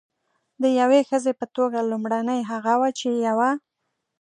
د یوې ښځې په توګه لومړنۍ هغه وه چې یوه.